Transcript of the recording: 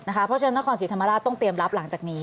เพราะฉะนั้นนครศรีธรรมราชต้องเตรียมรับหลังจากนี้